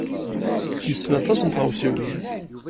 Yessen aṭas n tɣawsiwin.